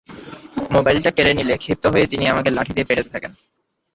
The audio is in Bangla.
মোবাইলটা কেড়ে নিলে ক্ষিপ্ত হয়ে তিনি আমাকে লাঠি দিয়ে পেটাতে থাকেন।